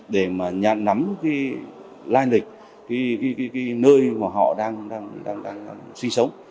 để mà nhận nắm cái lai lịch cái nơi mà họ đang sinh sống